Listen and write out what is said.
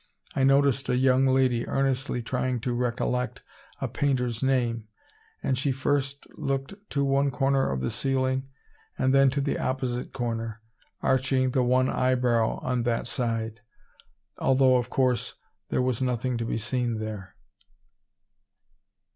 I noticed a young lady earnestly trying to recollect a painter's name, and she first looked to one corner of the ceiling and then to the opposite corner, arching the one eyebrow on that side; although, of course, there was nothing to be seen there.